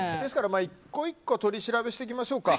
１個１個取り調べしていきましょうか。